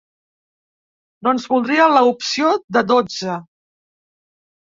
Doncs voldria la opció de dotze.